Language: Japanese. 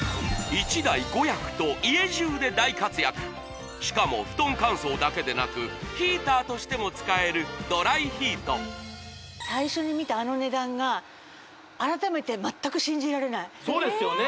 １台５役と家じゅうで大活躍しかもふとん乾燥だけでなくヒーターとしても使えるドライヒート最初に見たあの値段が改めて全く信じられないそうですよね